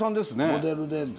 モデルで。